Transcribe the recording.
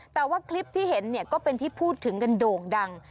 แต่ว่าคลิปที่เห็นเนี่ยก็เป็นที่พูดถึงกันโด่งดัง